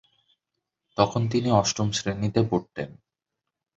তখন তিনি অষ্টম শ্রেণীতে পড়তেন।